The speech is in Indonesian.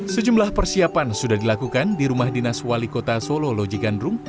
sejumlah persiapan sudah dilakukan di rumah dinas wali kota solo loji gandrung